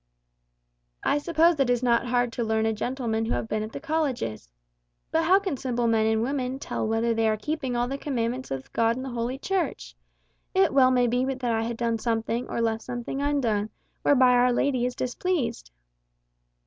"I suppose it is not hard to learned gentlemen who have been at the colleges. But how can simple men and women tell whether they are keeping all the commandments of God and Holy Church? It well may be that I had done something, or left something undone, whereby Our Lady was displeased."